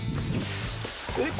えっ。